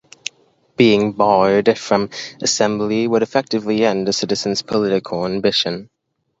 Being barred from assembly would effectively end a citizen's political ambition.